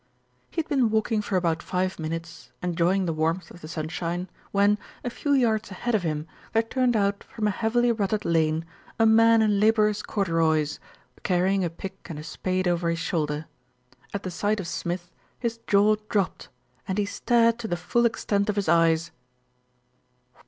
He had been walking for about five minutes enjoy ing the warmth of the sunshine, when, a few yards ahead of him there turned out from a heavily rutted lane a man in labourer's corduroys carrying a pick and a spade over his shoulder. At the sight of Smith his jaw dropped, and he stared to the full extent of his eyes.